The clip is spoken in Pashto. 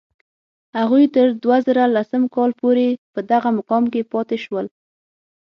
هغوی تر دوه زره لسم کال پورې په دغه مقام کې پاتې شول.